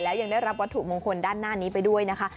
และยังได้รับวัตถุมงคลด้านหน้านี้ไปด้วยนะคะ